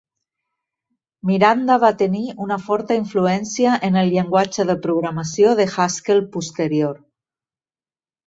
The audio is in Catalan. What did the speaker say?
Miranda va tenir una forta influència en el llenguatge de programació de Haskell posterior.